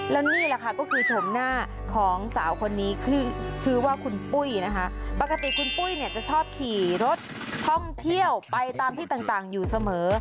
แล้วนี่แหละค่ะก็คือชมหน้าของสาวคนนี้คือชื่อว่าคุณปุ้ยนะคะปกติคุณปุ้ยเนี่ยจะชอบขี่รถท่องเที่ยวไปตามที่ต่างอยู่เสมอ